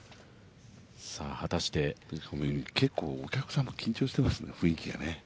結構お客さんも緊張していますね、雰囲気がね。